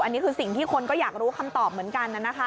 อันนี้คือสิ่งที่คนก็อยากรู้คำตอบเหมือนกันนะคะ